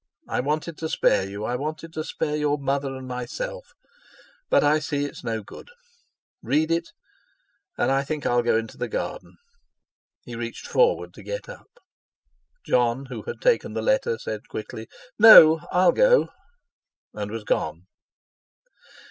I wanted to spare you—I wanted to spare your mother and myself, but I see it's no good. Read it, and I think I'll go into the garden." He reached forward to get up. Jon, who had taken the letter, said quickly, "No, I'll go"; and was gone.